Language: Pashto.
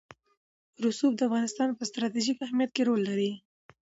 رسوب د افغانستان په ستراتیژیک اهمیت کې رول لري.